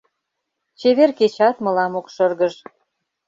Чевер кечат мылам ок шыргыж.